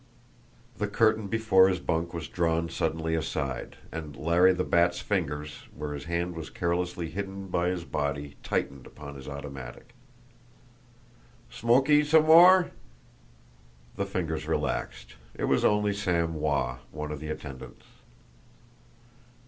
The curtain before his bunk was drawn suddenly aside and Larry the Bat's fingers, where his hand was carelessly hidden by his body tightened upon his automatic. "Smokee some more?" The fingers relaxed. It was only Sam Wah, one of the attendants.